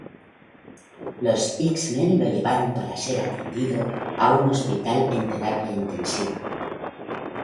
Los X-Men lo llevaron, para ser atendido, a un hospital en terapia intensiva.